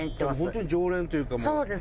本当に常連というかもう。